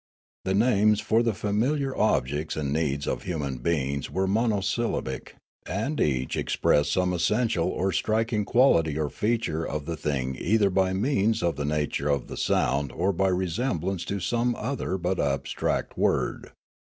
The names for the familiar objects and needs of human beings were monosyllabic, and each expressed some essential or striking quality or feature of the thing either by means of the nature of the sound or by resemblance to some other but abstract word.